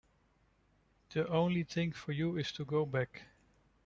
The only thing is for you to go back.